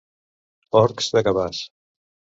Orcs de Gavàs.